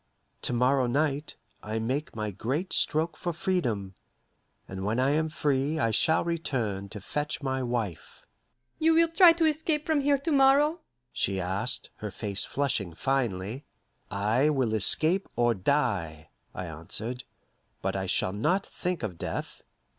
To morrow night, I make my great stroke for freedom, and when I am free I shall return to fetch my wife." "You will try to escape from here to morrow?" she asked, her face flushing finely. "I will escape or die," I answered; "but I shall not think of death.